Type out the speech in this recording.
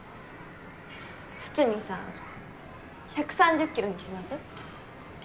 筒見さん１３０キロにします？